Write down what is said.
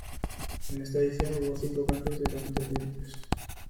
En esta edición hubo cinco cambios de contendientes.